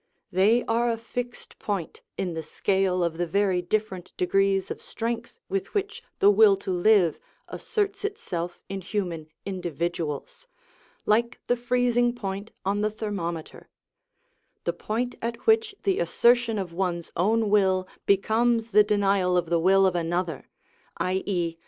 They are a fixed point in the scale of the very different degrees of strength with which the will to live asserts itself in human individuals, like the freezing point on the thermometer; the point at which the assertion of one's own will becomes the denial of the will of another, _i.e.